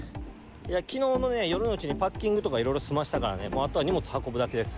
きのうの夜のうちにパッキングとかいろいろ済ませたからね、あとはもうあとは荷物運ぶだけです。